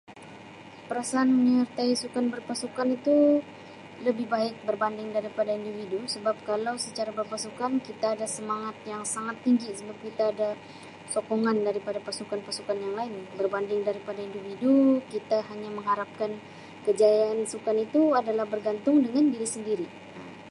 Perasaan menyertai sukan berpasukan itu lebih baik berbanding daripada individu sebab kalau secara berpasukan kita ada semangat yang sangat tinggi sebab kita ada sokongan daripada pasukan-pasukan yang lain berbanding daripada individu kita hanya mengharapkan kejayaan sukan itu adalah bergantung dengan diri sendiri Um.